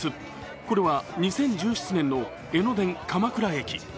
これは２０１７年の江ノ電・鎌倉駅。